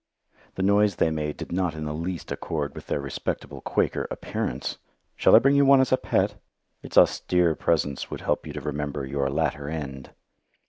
The noise they made did not in the least accord with their respectable Quaker appearance. Shall I bring you one as a pet? Its austere presence would help you to remember your "latter end."